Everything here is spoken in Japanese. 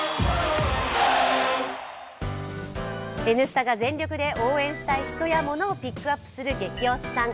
「Ｎスタ」が全力で応援したい人やものをピックアップする「ゲキ推しさん」